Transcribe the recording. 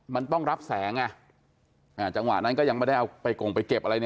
มันต้องรับแสงจังหวะนั้นก็ยังไม่ได้เอาไปเก็บอะไร